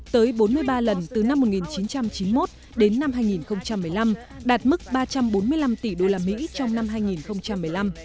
tới bốn mươi ba lần từ năm một nghìn chín trăm chín mươi một đến năm hai nghìn một mươi năm đạt mức ba trăm bốn mươi năm tỷ usd trong năm hai nghìn một mươi năm